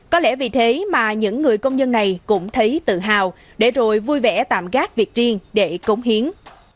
có lẽ vì thế mà những người công nhân này cũng thấy tự hào để rồi vui vẻ tạm gác việc riêng để cống hiến